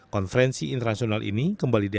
konferensi internasional ini kembali digelar